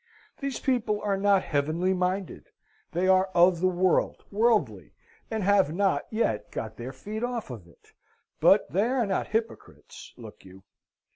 These people are not heavenly minded; they are of the world, worldly, and have not yet got their feet off of it; but they are not hypocrites, look you.